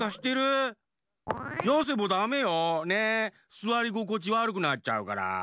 すわりごこちわるくなっちゃうから。